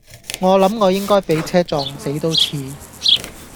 我諗我應該俾車撞死都似